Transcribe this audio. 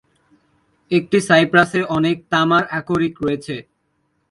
একটি সাইপ্রাসে অনেক তামার আকরিক আছে।